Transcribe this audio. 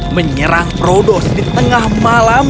menyerang prodos di tengah malam